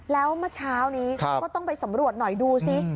แล้วเมื่อเช้านี้ก็ต้องไปสำรวจหน่อยดูสิ